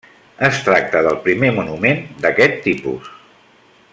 Es tracta del primer monument d'aquest tipus.